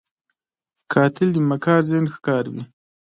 قاتل د مکار ذهن ښکار وي